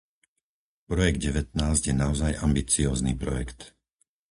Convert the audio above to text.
Projekt devätnásť je naozaj ambiciózny projekt.